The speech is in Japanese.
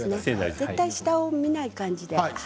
絶対下を見ない感じで。